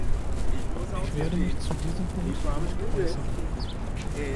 Ich werde mich zu diesem Punkt nicht äußern.